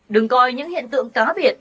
đừng coi những hiện tượng cá biệt